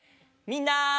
みんな！